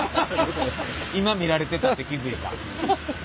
今見られてたって気付いた。